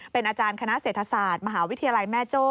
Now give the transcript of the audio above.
เป็นอาจารย์คณะเศรษฐศาสตร์มหาวิทยาลัยแม่โจ้